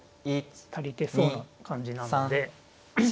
足りてそうな感じなので。